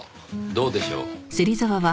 どうでしょう。